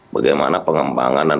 bagaimana pengembangan dan